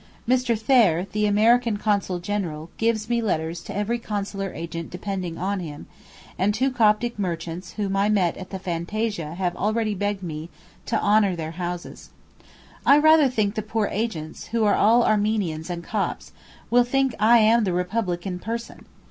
Mr. Thayer, the American Consul General, gives me letters to every consular agent depending on him; and two Coptic merchants whom I met at the fantasia have already begged me to 'honour their houses.' I rather think the poor agents, who are all Armenians and Copts, will think I am the republic in person.